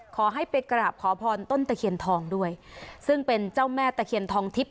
ขอให้ไปกราบขอพรต้นตะเคียนทองด้วยซึ่งเป็นเจ้าแม่ตะเคียนทองทิพย